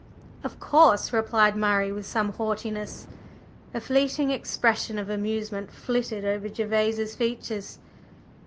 "Of course," replied Murray, with some haughtiness. A fleeting expression of amusement flitted over Gervase's features.